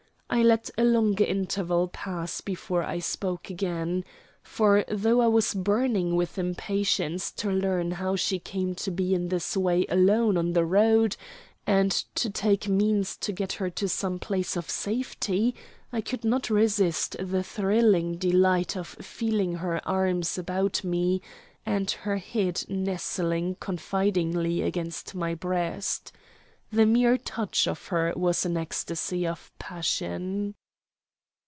I let a longer interval pass before I spoke again; for, though I was burning with impatience to learn how she came to be in this way alone on the road and to take means to get her to some place of safety, I could not resist the thrilling delight of feeling her arms about me and her head nestling confidingly against my breast. The mere touch of her was an ecstasy of passion.